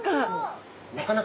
なかなか。